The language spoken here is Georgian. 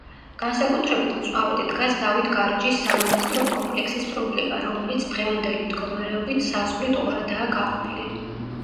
განსაკუთრებით მწვავედ დგას დავით გარეჯის სამონასტრო კომპლექსის პრობლემა რომელიც დღევანდელი მდგომარეობით საზღვრით ორადაა გაყოფილი.